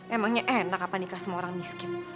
emangnya enak apa nikah semua orang miskin